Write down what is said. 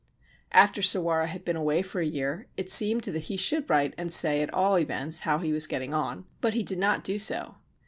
After Sawara had been away for a year, it seemed that he should write and say at all events how he was getting on ; but he did not do so.